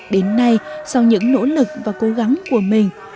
đến nay sau những nỗ lực và cố gắng của mình